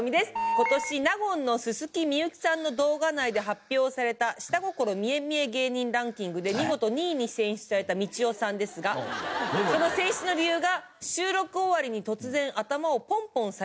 「今年納言の薄幸さんの動画内で発表された“下心見え見え芸人ランキング”で見事２位に選出されたみちおさんですがその選出の理由が収録終わりに突然頭をポンポンされた事」